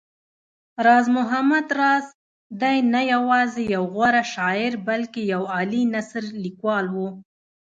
راز محمد راز دی نه يوازې يو غوره شاعر بلکې يو عالي نثرليکوال و